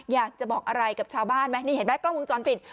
อยากจะบอกอะไรกับชาวบ้านไหมนี่เห็นไหมกล้องวงจรปิด